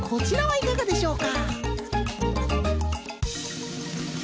いかがでしょうか？